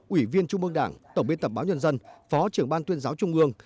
ủy viên trung mương đảng tổng biên tập báo nhân dân phó trưởng ban tuyên giáo trung ương